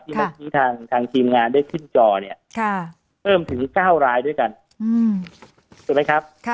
เมื่อกี้ทางทีมงานได้ขึ้นจอเนี่ยเพิ่มถึง๙รายด้วยกันถูกไหมครับ